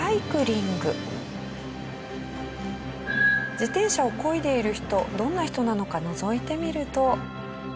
自転車をこいでいる人どんな人なのかのぞいてみると。